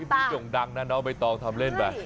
พี่บิ๊กหย่งดังนะเนาะไม่ต้องทำเล่นแบบ